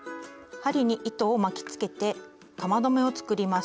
針に糸を巻きつけて玉留めを作ります。